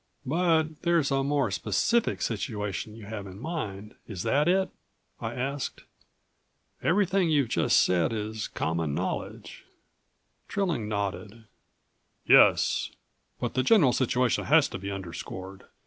"But there's a more specific situation you have in mind, is that it?" I asked. "Everything you've just said is common knowledge." Trilling nodded. "Yes but the general situation has to be underscored.